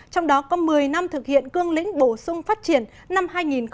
trong đó có một mươi năm thực hiện cương lĩnh bổ sung phát triển năm hai nghìn một mươi một